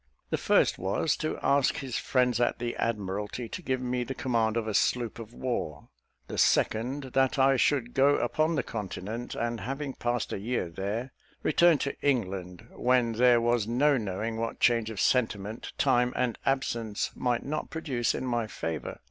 The first was, to ask his friends at the Admiralty to give me the command of a sloop of war; the second, that I should go upon the continent, and, having passed a year there, return to England, when there was no knowing what change of sentiment time and absence might not produce in my favour.